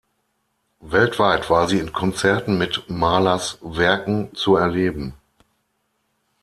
Weltweit war sie in Konzerten mit Mahlers Werken zu erleben.